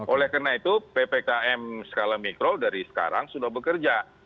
oleh karena itu ppkm skala mikro dari sekarang sudah bekerja